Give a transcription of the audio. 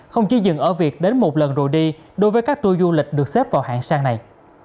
không chỉ dừng ở việc đến một lần rồi đi đối với các tour du lịch được xếp vào hạng sang này